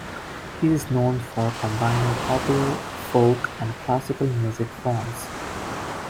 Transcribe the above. He is known for combining popular, folk, and classical music forms.